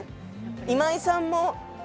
今井さんも。